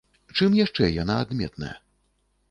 Чым яшчэ яна адметная?